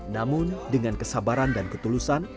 namun dengan kesabaran dan ketulusan